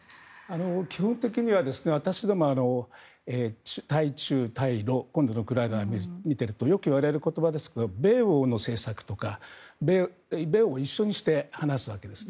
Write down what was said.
基本的には私ども対中、対ロ今度のウクライナを見ているとよく言われることですが米欧の政策ですとか米欧一緒にして話すわけです。